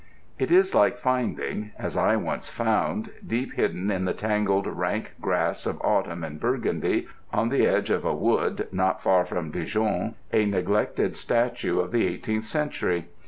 It is like finding, as I once found, deep hidden in the tangled rank grass of autumn in Burgundy, on the edge of a wood not far from Dijon, a neglected statue of the eighteenth century.